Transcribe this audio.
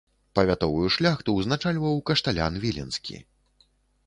Павятовую шляхту ўзначальваў кашталян віленскі.